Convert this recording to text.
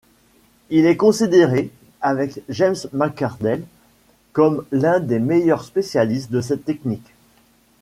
Il est considéré, avec James MacArdell, comme l'un des meilleurs spécialistes de cette technique.